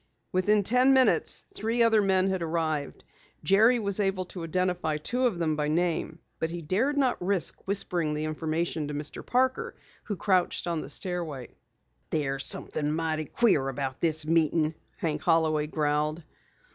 Within ten minutes, three other men had arrived. Jerry was able to identify two of them by name, but he dared not risk whispering the information to Mr. Parker who crouched on the stairway. "There's something mighty queer about this meeting," Hank Holloway growled.